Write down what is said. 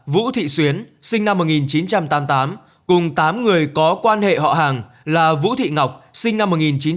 vũ thị xuyến sinh năm một nghìn chín trăm tám mươi tám cùng tám người có quan hệ họ hàng là vũ thị ngọc sinh năm một nghìn chín trăm tám mươi